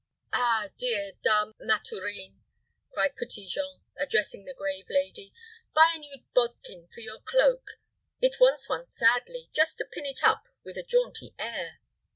"Ah, dear Dame Mathurine," cried Petit Jean, addressing the grave lady, "buy a new bodkin for your cloak. It wants one sadly, just to pin it up with a jaunty air."